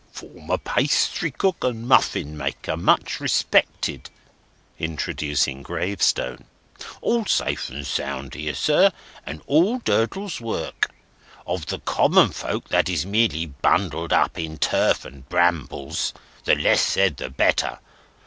"Former pastrycook and Muffin maker, much respected;" introducing gravestone. "All safe and sound here, sir, and all Durdles's work. Of the common folk, that is merely bundled up in turf and brambles, the less said the better.